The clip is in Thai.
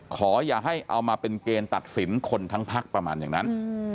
อย่าให้เอามาเป็นเกณฑ์ตัดสินคนทั้งพักประมาณอย่างนั้น